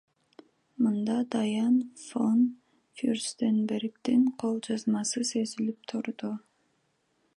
Мында Дайан фон Фюрстенбергдин кол жазмасы сезилип турду.